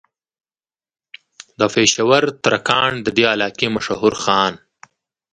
دا پېشه ور ترکاڼ د دې علاقې مشهور خان